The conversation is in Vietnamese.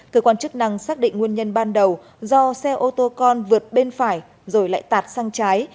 cơ quan chức năng xác định nguyên nhân ban đầu do xe ô tô con vượt bên phải rồi lại tạt sang trái